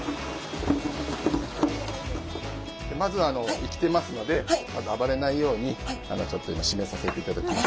まずは生きてますのでまず暴れないようにちょっと今しめさせていただきます。